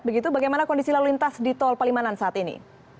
begitu bagaimana kondisi lalu lintas di tol palimanan saat ini